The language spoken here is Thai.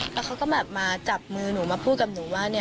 แล้วเขาก็แบบมาจับมือหนูมาพูดกับหนูว่า